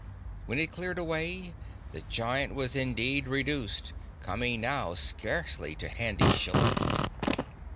When it cleared away, the Giant was indeed reduced, coming now scarcely to Handy's shoulder.